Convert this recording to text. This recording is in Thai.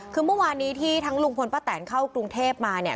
คือเมื่อวานนี้ที่ทั้งลุงพลป้าแตนเข้ากรุงเทพมาเนี่ย